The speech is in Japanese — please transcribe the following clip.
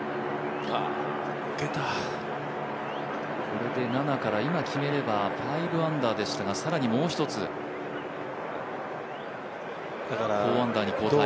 これで７から、今決めれば５アンダーでしたが更にもう一つ、４アンダーに後退。